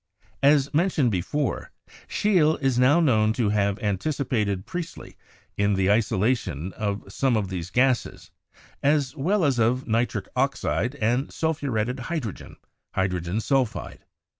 As mentioned be fore, Scheele is now known to have anticipated Priestley in the isolation of some of these gases, as well as of nitric oxide and sulphuretted hydrogen (hydrogen sulphide).